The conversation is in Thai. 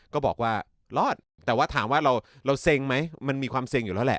ก็บอกว่ารอดแต่ว่าถามว่าเราเซ็งไหมมันมีความเซ็งอยู่แล้วแหละ